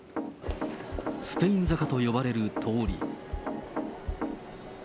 スペイン坂と呼ばれる通り。